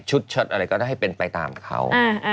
เชิดอะไรก็ได้ให้เป็นไปตามเขา